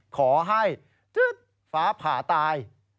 ขอให้ฟ้าผ่าตาย